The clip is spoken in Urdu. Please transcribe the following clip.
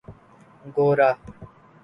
گورا